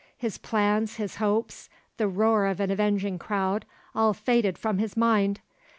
His plans, his hopes, the roar of an avenging crowd, all faded from his mind.